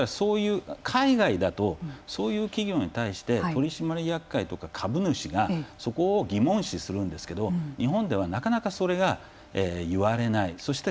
海外だとそういう企業に対して取締役会とか株主がそこを疑問視するんですけど日本ではなかなかそれが言われない。